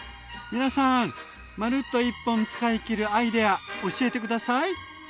皆さんまるっと１本使い切るアイデア教えて下さい！